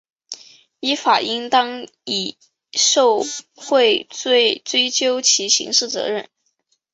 依法应当以受贿罪追究其刑事责任